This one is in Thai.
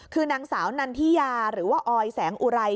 คือนางสาวนันทิยาหรือว่าออยแสงอุไร